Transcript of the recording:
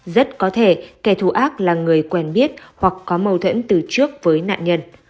rất có thể kẻ thù ác là người quen biết hoặc có mâu thuẫn từ trước với nạn nhân